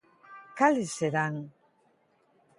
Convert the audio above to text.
Cales serán?